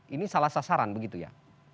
ini salah sasaran begitu ya